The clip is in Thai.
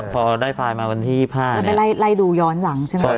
พอได้ไฟล์มาวันที่๒๕แล้วไปไล่ดูย้อนหลังใช่ไหม